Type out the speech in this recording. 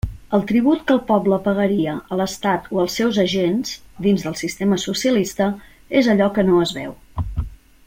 El tribut que el poble pagaria a l'estat o als seus agents, dins del sistema socialista, és allò que no es veu.